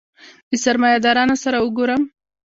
د سرمایه دارانو سره وګورم.